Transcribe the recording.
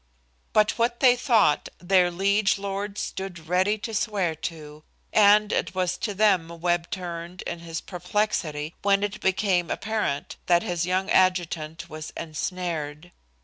But what they thought, their liege lords stood ready to swear to; and it was to them Webb turned in his perplexity when it became apparent that his young adjutant was ensnared.